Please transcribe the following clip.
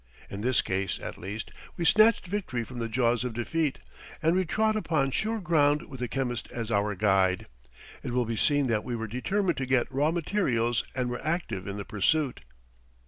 In this case, at least, we snatched victory from the jaws of defeat. We trod upon sure ground with the chemist as our guide. It will be seen that we were determined to get raw materials and were active in the pursuit.